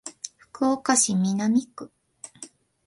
福岡市南区